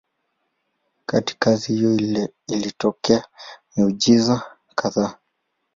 Katika kazi hiyo ilitokea miujiza kadhaa.